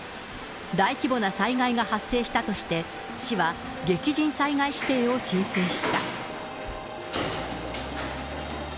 大規模な災害が発生したとして、市は激甚災害指定を申請した。